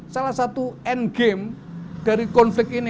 salah satu endgame dari konflik ini